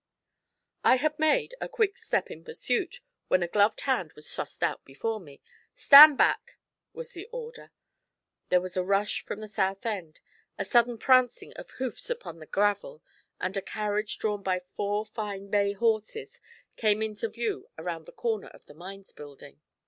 I had made a quick step in pursuit, when a gloved hand was thrust out before me. 'Stand back!' was the order. There was a rush from the south end, a sudden prancing of hoofs upon the gravel, and a carriage drawn by four fine bay horses came into view around the corner of the Mines Building.